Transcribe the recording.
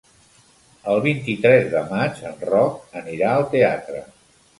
El vint-i-tres de maig en Roc anirà al teatre.